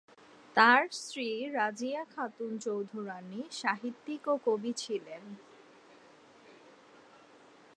তার স্ত্রী রাজিয়া খাতুন চৌধুরাণী সাহিত্যিক ও কবি ছিলেন।